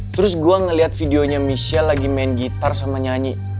terus gue ngeliat videonya michelle lagi main gitar sama nyanyi